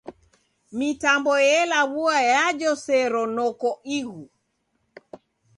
Mitambo elaw'ua yajoseronoko ighu.